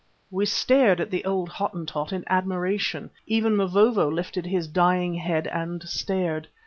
We stared at the old Hottentot in admiration, even Mavovo lifted his dying head and stared.